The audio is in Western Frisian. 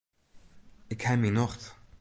Ik ha myn nocht.